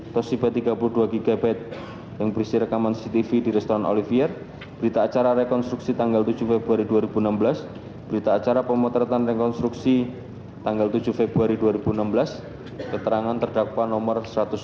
tosiba tiga puluh dua gb yang berisi rekaman cctv di restoran olivier berita acara rekonstruksi tanggal tujuh februari dua ribu enam belas berita acara pemotretan rekonstruksi tanggal tujuh februari dua ribu enam belas keterangan terdakwa nomor satu ratus enam puluh